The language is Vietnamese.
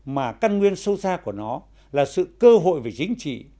mà căn nguyên sâu xa của nó là sự cơ hội về chính trị